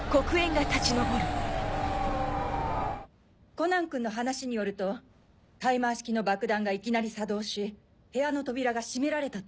コナン君の話によるとタイマー式の爆弾がいきなり作動し部屋の扉が閉められたと。